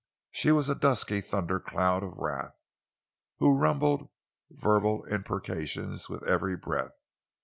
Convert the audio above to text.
She was a dusky thundercloud of wrath, who rumbled verbal imprecations with every breath.